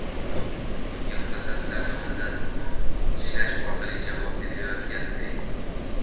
Bunga mutasaddilar tomonidan mum tishlash orqali javob berilayotganday.